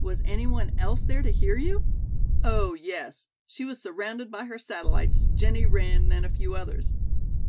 Was anyone else there to hear you?" "Oh, yes. She was surrounded by her satellites, Jennie Wren and a few others."